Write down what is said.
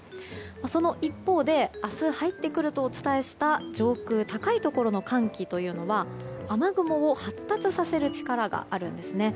その一方で明日入ってくるとお伝えした上空高いところの寒気というのは雨雲を発達させる力があるんですね。